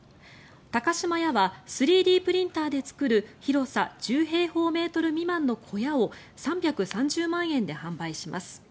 高島屋は３Ｄプリンターで作る広さ１０平方メートル未満の小屋を３３０万円で販売します。